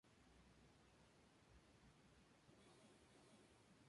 Es músico y cantante.